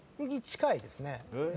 近いですね。